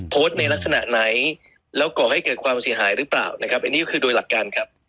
โพสต์ในลักษณะไหนแล้วก่อให้เกิดความเสียหายหรือเปล่านะครับอันนี้ก็คือโดยหลักการครับ